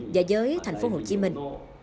và với thành phố hồ chí minh